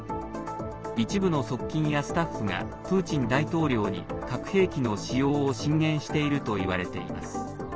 一部の側近やスタッフがプーチン大統領に核兵器の使用を進言しているといわれています。